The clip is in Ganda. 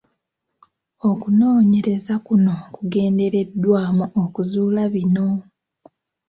Okunoonyereza kuno kugendereddwamu okuzuula bino: